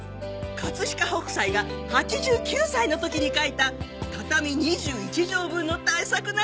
飾北斎が８９歳の時に描いた畳２１畳分の大作なのよ。